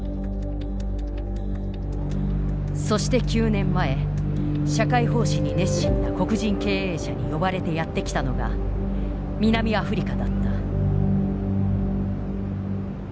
そして９年前社会奉仕に熱心な黒人経営者に呼ばれてやって来たのが南アフリカだった。